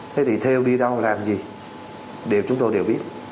thế thì thêu đi đâu làm gì chúng tôi đều biết